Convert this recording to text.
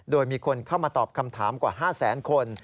โดยมีคนเข้ามาตอบคำถามกว่า๕แสนคน